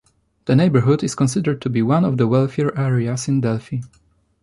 The neighbourhood is considered to be one of the wealthier areas in Delhi.